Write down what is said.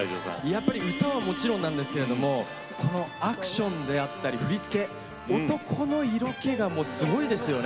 やっぱり歌はもちろんなんですけれどもこのアクションであったり振り付け男の色気がすごいですよね。